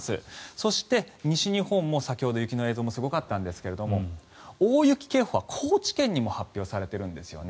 そして、西日本も先ほど雪の映像もすごかったんですが大雪警報は高知県にも発表されているんですよね。